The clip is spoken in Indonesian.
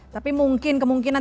tapi mungkin kemungkinan